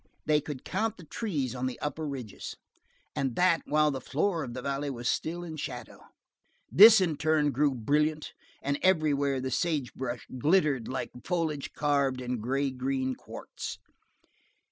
They could count the trees on the upper ridges; and that while the floor of the valley was still in shadow. This in turn grew brilliant, and everywhere the sage brush glittered like foliage carved in gray green quartz.